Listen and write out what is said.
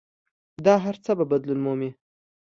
دا هر څه به بدلون مومي.